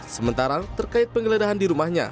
sementara terkait penggeledahan di rumahnya